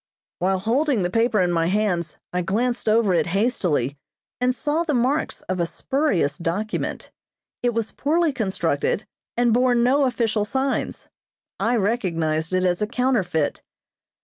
While holding the paper in my hands I glanced over it hastily, and saw the marks of a spurious document. It was poorly constructed, and bore no official signs. I recognized it as a counterfeit.